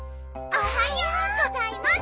おはようございます。